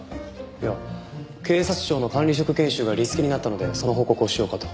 いや警察庁の管理職研修がリスケになったのでその報告をしようかと。